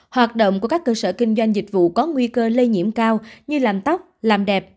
hoạt động của các cơ sở kinh doanh dịch vụ có nguy cơ lây nhiễm cao như làm tóc làm đẹp